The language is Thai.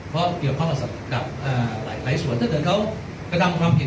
เพราะเกี่ยวกับความบรรดาสำกัดหลายหลายส่วนถ้าเกิดเขาทำความผิด